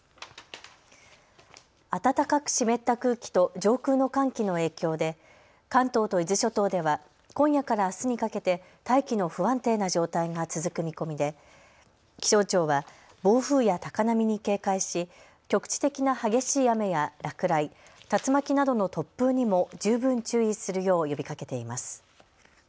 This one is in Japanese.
暖かく湿った空気と上空の寒気の影響で関東と伊豆諸島では今夜からあすにかけて大気の不安定な状態が続く見込みで気象庁は暴風や高波に警戒し局地的な激しい雨や落雷、竜巻などの突風にも十分注意するよう呼びかけています。